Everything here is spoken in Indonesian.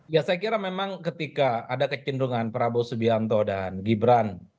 ya saya kira memang ketika ada kecenderungan prabowo subianto dan gibran